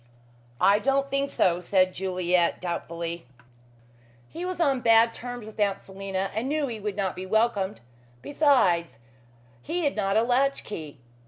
"I don't think so," said Juliet doubtfully. "He was on bad terms with Aunt Selina and knew he would not be welcomed. Besides, he had not a latch key.